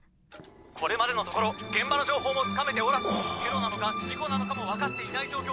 これまでのところ現場の情報もつかめておらずテロなのか事故なのかも分かっていない状況です。